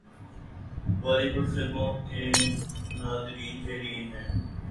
بالی would فلموں کے ناظرین کے لئے ہیں